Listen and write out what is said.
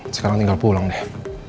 sekarang tinggal pulang deh